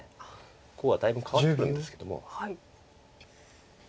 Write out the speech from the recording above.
ここはだいぶん変わってくるんですけども。